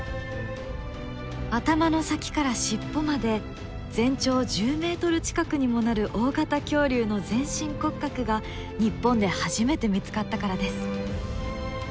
頭の先から尻尾まで全長１０ｍ近くにもなる大型恐竜の全身骨格が日本で初めて見つかったからです。